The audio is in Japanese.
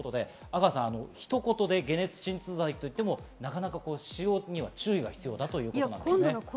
阿川さん、ひと言で解熱鎮痛剤といってもなかなか使用には注意が必要だということです。